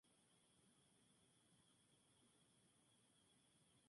La propuesta deportiva ofrecía vóley, hockey y atletismo como las primeras actividades.